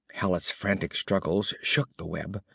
Hallet's frantic struggles shook the web.